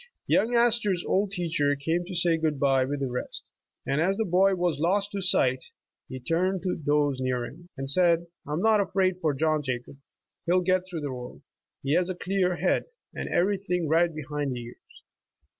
Young Astor's old teacher came to say good bye witli the rest, and as the boy was lost to sight, he turned to those near him, and said :'' I am not afraid for Johu Jacob; he'll get through the world. He has a clear head, and everything right behind the ears."